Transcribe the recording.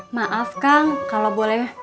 maaf kang kalau boleh